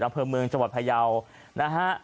รังเภอเมืองจบัดพะเยาะ